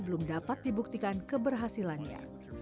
belum dapat dibuktikan keberhasilannya